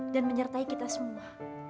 dan menyertai kita semua